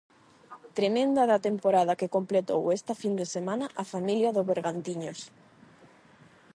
Tremenda da temporada que completou esta fin de semana a familia do Bergantiños.